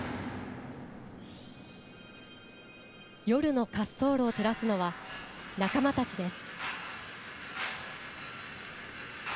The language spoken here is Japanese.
夜の滑走路を照らすのは仲間たちです。